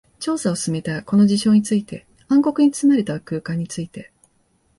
調査を進めた。この事象について、暗黒に包まれた空間について。